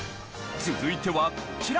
続いてはこちら。